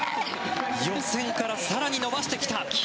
予選から更に伸ばしてきた！